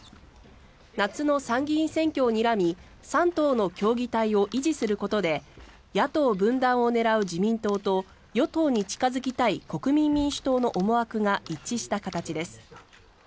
夏の参議院選挙をにらみ３党の協議体を維持することで野党分断を狙う自民党と与党に近付きたい国民民主党の思惑が一致した形です。